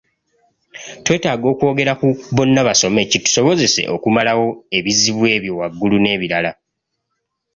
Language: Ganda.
Twetaaga okwogera ku "Bonna Basome' kitusobozese okumalawo ebizibu ebyo waggulu, n'ebirala.